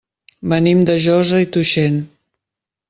Venim de Josa i Tuixén.